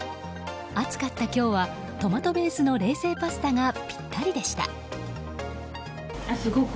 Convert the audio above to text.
暑かった今日はトマトベースの冷製パスタがぴったりでした。